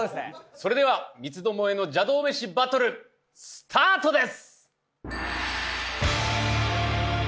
それでは三つどもえの邪道メシバトルスタートです！